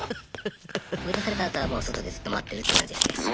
追い出されたあとはもう外でずっと待ってるって感じですね。